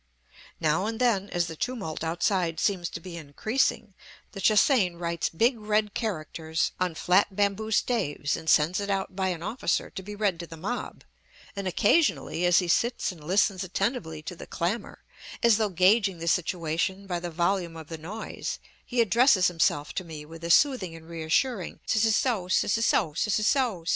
Now and then, as the tumult outside seems to be increasing, the Che hsein writes big red characters on flat bamboo staves and sends it out by an officer to be read to the mob; and occasionally, as he sits and listens attentively to the clamor, as though gauging the situation by the volume of the noise, he addresses himself to me with a soothing and reassuring "S s o, s s o, s s o, s o."